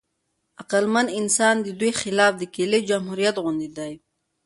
عقلمن انسان د دوی خلاف د کیلې جمهوریت غوندې دی.